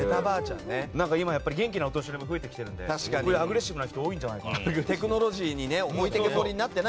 今、元気なお年寄りが増えてきてるのでアグレッシブな人多いんじゃないかなと。